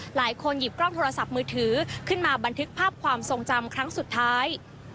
หยิบกล้องโทรศัพท์มือถือขึ้นมาบันทึกภาพความทรงจำครั้งสุดท้าย